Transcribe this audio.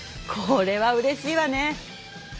これはうれしいわね。